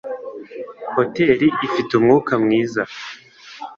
Hoteri ifite umwuka mwiza.